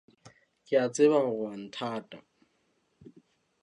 Ke a tseba hore o a nthata.